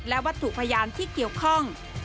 และวัตถุพยานที่เกี่ยวข้อง